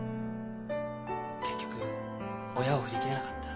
結局親を振り切れなかった。